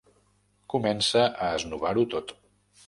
Comença a esnovar-ho tot.